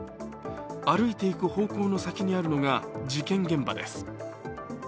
歩いていく方向の先にあるのが事件現場です。